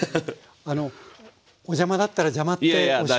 あのお邪魔だったら邪魔っておっしゃって頂ければ。